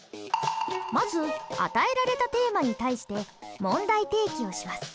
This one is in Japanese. まず与えられたテーマに対して問題提起をします。